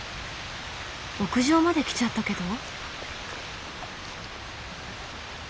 屋上まで来ちゃったけど。